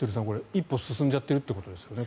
一歩進んじゃってるってことですね。